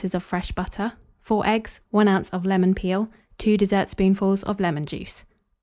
of fresh butter, 4 eggs, 1 oz. of lemon peel, 2 dessertspoonfuls of lemon juice.